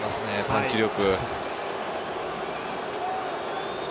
パンチ力。